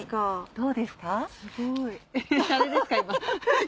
「どうですか？」。